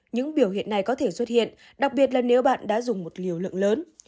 những biểu hiện này có thể xuất hiện đặc biệt là nếu bạn đã dùng một liều lượng lớn